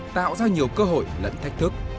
tạo ra nhiều cơ hội lẫn thách thức